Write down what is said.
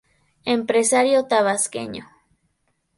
Empresario tabasqueño